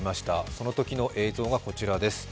そのときの映像がこちらです。